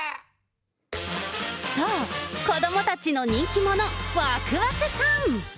そう、子どもたちの人気者、わくわくさん。